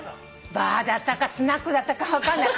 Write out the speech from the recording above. バーだったかスナックだったか分かんない。